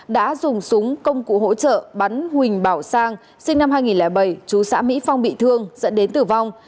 đã dùng súng công cụ hỗ trợ bắn huỳnh bảo sang sinh năm hai nghìn bảy chú xã mỹ phong bị thương dẫn đến tử vong